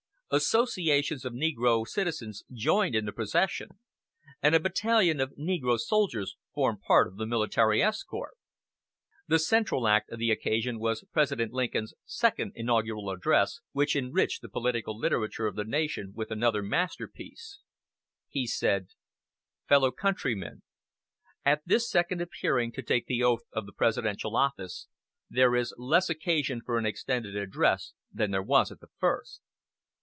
Associations of negro citizens joined in the procession, and a battalion of negro soldiers formed part of the military escort. The central act of the occasion was President Lincoln's second inaugural address, which enriched the political literature of the nation with another masterpiece. He said: "Fellow countrymen: At this second appearing to take the oath of the presidential office, there is less occasion for an extended address than there was at the first.